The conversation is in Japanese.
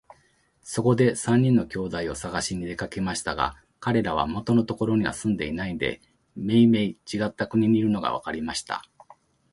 そこで三人の兄弟をさがしに出かけましたが、かれらは元のところには住んでいないで、めいめいちがった国にいるのがわかりました。